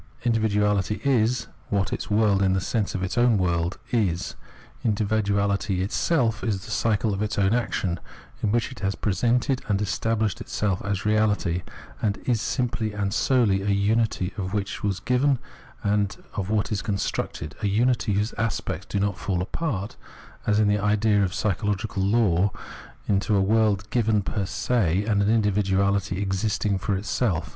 Individuality is what its world, in the sense of its own world, is. Individuality itself is the cycle of its own action, in which it has presented and estabhshed itself as reahty, and is simply and solely a unity of what is given and what is constructed — a unity whose aspects do not fall apart, as in the idea of psychological law, into a world given per se and an individuahty ex isting for itself.